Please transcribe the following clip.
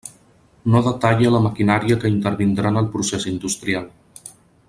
No detalla la maquinària que intervindrà en el procés industrial.